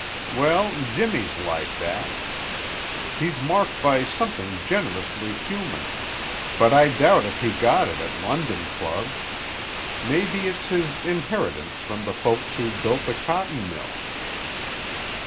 Well, Jimmy's like that; he's marked by something generously human, but I doubt if he got it at London clubs. Maybe it's his inheritance from the folks who built the cotton mill."